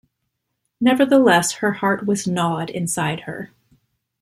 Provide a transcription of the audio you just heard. Nevertheless her heart was gnawed inside her.